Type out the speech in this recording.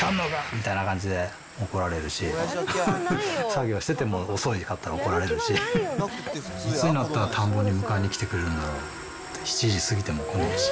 みたいな感じで怒られるし、作業しても遅かったら怒られるし、いつになったら田んぼに迎えに来てくれるんだろう、７時過ぎても来ないし。